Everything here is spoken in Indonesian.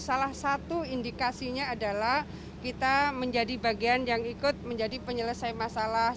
salah satu indikasinya adalah kita menjadi bagian yang ikut menjadi penyelesai masalah